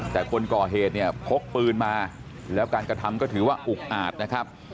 แต่คนก่อเหตุเนี่ยพกปืนมาแล้วการกระทำก็ถือว่าอุกอาจนะครับ